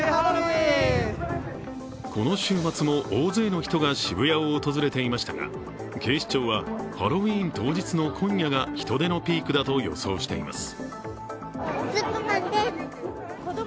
この週末も大勢の人が渋谷を訪れていましたが警視庁はハロウィーン当日の今夜が人出のピークだと予想しています。